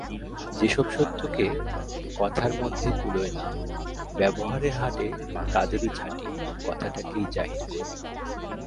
যে-সব সত্যকে কথার মধ্যে কুলোয় না ব্যবহারের হাটে তাদেরই ছাঁটি, কথাটাকেই জাহির করি।